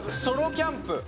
ソロキャンプ。